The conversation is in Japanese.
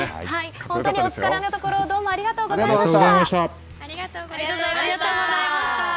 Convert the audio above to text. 本当にお疲れの所どうもありがとうございました。